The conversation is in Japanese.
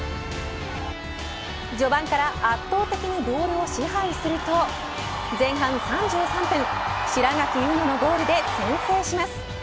序盤から圧倒的にボールを支配すると前半３３分白垣うののゴールで先制します。